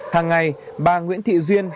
hàng ngày bà nguyễn thị duyên